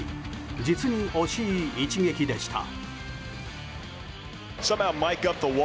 実に惜しい一撃でした。